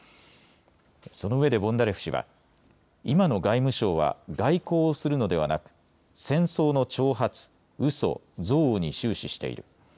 そのうえでボンダレフ氏は今の外務省は外交をするのではなく、戦争の挑発、うそ、憎悪に終始している。